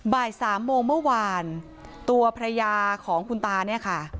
บ่ายสามโมงเมื่อวานตัวภรรยาของคุณตาเนี่ยค่ะ